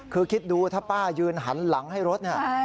คือคิดดูถ้าป้ายืนหันหลังให้รถเนี่ย